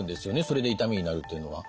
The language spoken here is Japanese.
それで痛みになるというのは。